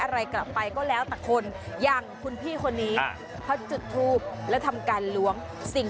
ให้ดูเอาเองดีฉันจะไม่พูดละกันไม่เห็นนะ